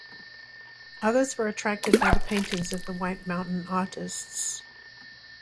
Others were attracted by the paintings of the White Mountain artists.